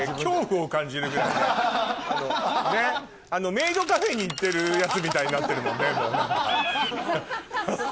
メイドカフェに行ってるヤツみたいになってるもんね。